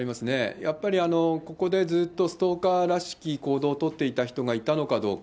やっぱりここで、ずっとストーカーらしき行動をとっていた人がいたのかどうか。